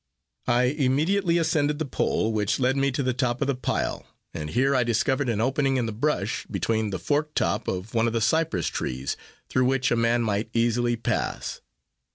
I immediately ascended the pole, which led me to the top of the pile, and here I discovered an opening in the brush, between the forked top of one of the cypress trees, through which a man might easily pass.